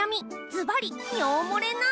ずばり尿もれなンデス！